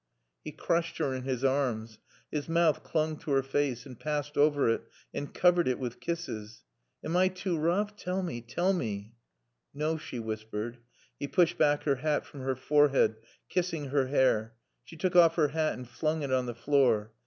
He crushed her in his arms. His mouth clung to her face and passed over it and covered it with kisses. "Am I too roough? Tall mae tall mae." "No," she whispered. He pushed back her hat from her forehead, kissing her hair. She took off her hat and flung it on the floor.